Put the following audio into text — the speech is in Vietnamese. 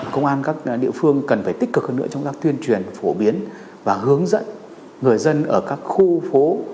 công an các địa phương cần phải tích cực hơn nữa trong các tuyên truyền và phổ biến và hướng dẫn người dân ở các khu phố